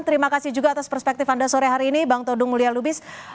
terima kasih juga atas perspektif anda sore hari ini bang todung mulya lubis